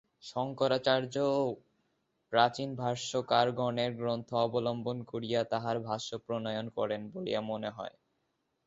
শঙ্করাচার্যও প্রাচীন ভাষ্যকারগণের গ্রন্থ অবলম্বন করিয়া তাঁহার ভাষ্য প্রণয়ন করেন বলিয়া মনে হয়।